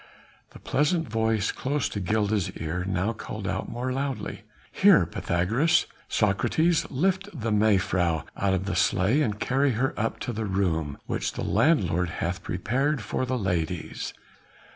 The pleasant voice close to Gilda's ear, now called out more loudly: "Here, Pythagoras, Socrates! lift the mevrouw out of the sleigh and carry her up to the room which the landlord hath prepared for the ladies."